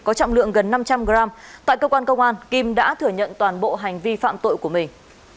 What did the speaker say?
có trọng lượng gần năm trăm linh g tại cơ quan công an kim đã thừa nhận toàn bộ hành vi phạm tội của mình